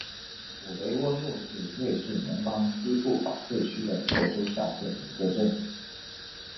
普雷翁路是瑞士联邦西部法语区的沃州下设的一个镇。